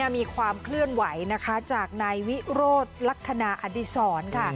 มีความเคลื่อนไหวจากนายวิโรธลักษณะอดีศร